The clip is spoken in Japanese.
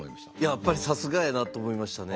やっぱりさすがやなと思いましたね。